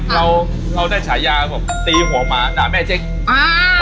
เราได้ฉายาตีหัวมาด่าแม่เจ็ก